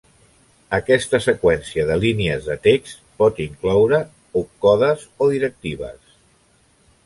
Aquesta seqüència de línies de text pot incloure opcodes o directives.